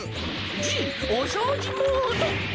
じいおそうじモード！